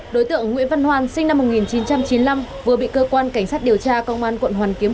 đối tượng nguyễn văn hoàn sinh năm một nghìn chín trăm chín mươi năm vừa bị cơ quan cảnh sát điều tra công an quận hoàn kiếm